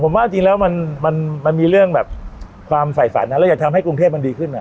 ผมว่าจริงแล้วมันมีเรื่องแบบความฝ่ายฝันแล้วอยากทำให้กรุงเทพมันดีขึ้น